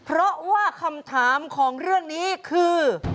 เพราะว่าคำถามของเรื่องนี้คือ